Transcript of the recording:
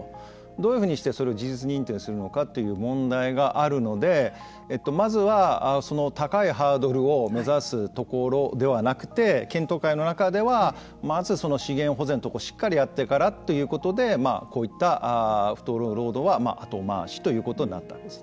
どういうふうにしてそれを事実認定するのかという問題があるのでまずは高いハードルを目指すところではなくて検討会の中ではまず資源保全のところをしっかりやってからということでこういった不当労働は後回しということになったわけです。